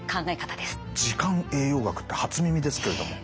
時間栄養学って初耳ですけれども。